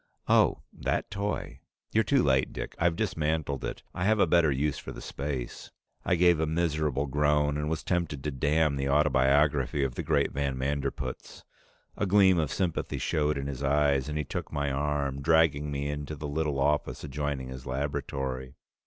Oh that toy. You're too late, Dick. I've dismantled it. I have a better use for the space." I gave a miserable groan and was tempted to damn the autobiography of the great van Manderpootz. A gleam of sympathy showed in his eyes, and he took my arm, dragging me into the little office adjoining his laboratory.